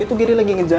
itu geri lagi ngejar